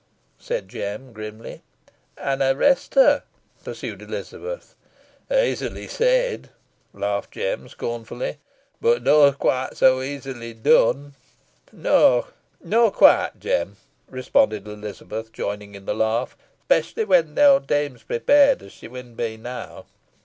said Jem, grimly. "An arrest her," pursued Elizabeth. "Easily said," laughed Jem, scornfully, "boh neaw quite so easily done." "Nah quite, Jem," responded Elizabeth, joining in the laugh. "'Specially when th' owd dame's prepared, as she win be now."